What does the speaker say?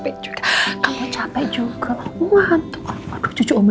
itu udah dulu